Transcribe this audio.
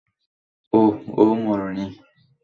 ওহ, ও মরেনি।